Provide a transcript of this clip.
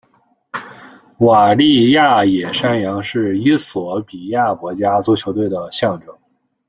瓦利亚野山羊是衣索比亚国家足球队的象征。